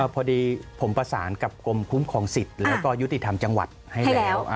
พอดีผมประสานกับกรมคุ้มครองสิทธิ์แล้วก็ยุติธรรมจังหวัดให้แล้ว